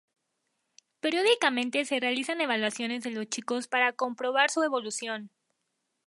Periódicamente se realizan evaluaciones de los chicos para comprobar su evolución.